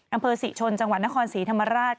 อำเภอศรีชนจังหวัดนครศรีธรรมราช